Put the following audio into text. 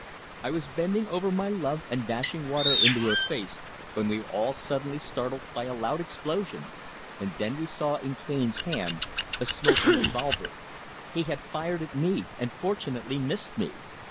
I was bending over my love and dashing water into her face when we were all suddenly startled by a loud explosion, and then we saw in Cane's hand a smoking revolver. He had fired at me and, fortunately, missed me.